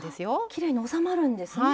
きれいに収まるんですね。